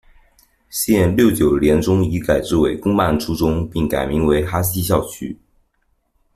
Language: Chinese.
现六九联中已改制为公办初中并改名为哈西校区。